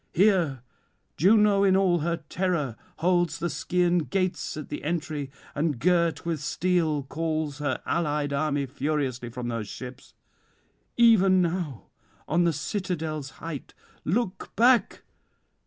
Here Juno in all her terror holds the Scaean gates at the entry, and, girt with steel, calls her allied army furiously from their ships. ... Even now on the citadel's height, look back!